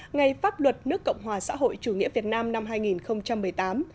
ngày pháp luật nước cộng hòa xã hội chủ nghĩa việt nam năm hai nghìn một mươi tám